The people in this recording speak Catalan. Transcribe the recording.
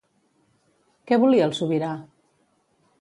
Què volia el sobirà?